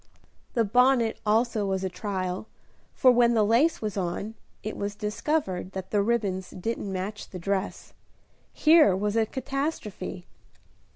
The bonnet also was a trial, for when the lace was on, it was discovered that the ribbons didn't match the dress. Here was a catastrophe!